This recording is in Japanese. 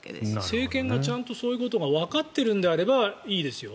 政権がちゃんとそういうことがわかっているならいいですよ。